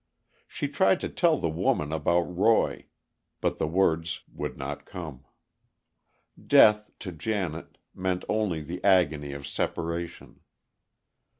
She tried to tell the woman about Roy, but the words would not come. Death, to Janet, meant only the agony of separation.